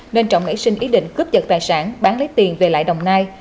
nên trọng nảy sinh ý định cướp giật tài sản bán lấy tiền về lại đồng nai